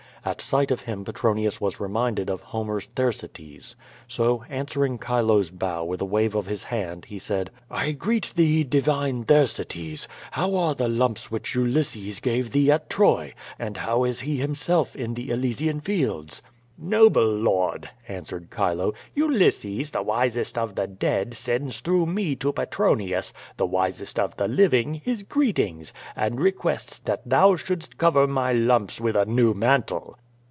At sight of him Petronius was reminded of Homer's Thersites. So, answering Chilo's bow with a wave of his hand, he said: I greet thee, divine Thersites; how are the lumps which Ulysses gave thee at Troy, and how is he himself in the Elysian fields?" ^'fToble lord," answered Chilo, "Ulysses, the wisest of the dead, sends through me to Petronius, the wisest of the living, his greetings, and requests that thou shouldst cover my lumps with a new mantle."